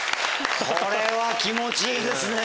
これは気持ちいいですね！